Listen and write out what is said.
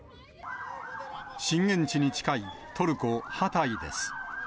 震源地に近いトルコ・ハタイです。